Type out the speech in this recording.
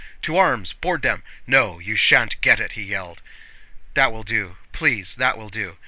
"To arms! Board them! No, you shan't get it," he yelled. "That will do, please, that will do.